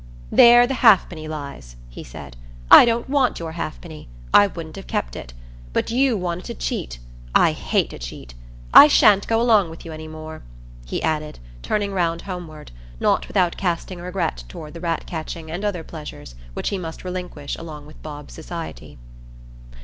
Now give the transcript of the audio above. "There the halfpenny lies," he said. "I don't want your halfpenny; I wouldn't have kept it. But you wanted to cheat; I hate a cheat. I sha'n't go along with you any more," he added, turning round homeward, not without casting a regret toward the rat catching and other pleasures which he must relinquish along with Bob's society.